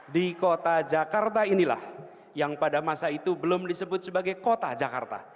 di kota jakarta inilah yang pada masa itu belum disebut sebagai kota jakarta